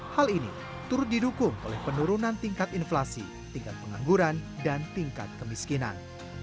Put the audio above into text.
hal ini turut didukung oleh penurunan tingkat inflasi tingkat pengangguran dan tingkat kemiskinan